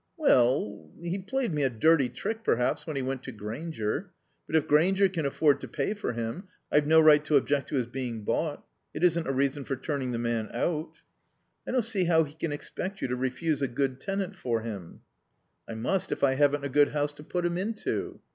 "Well, he played me a dirty trick, perhaps, when he went to Grainger; but if Grainger can afford to pay for him I've no right to object to his being bought. It isn't a reason for turning the man out." "I don't see how he can expect you to refuse a good tenant for him." "I must if I haven't a good house to put him into."